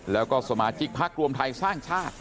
แล้วก็สมาชิกพักรวมไทยสร้างชาติ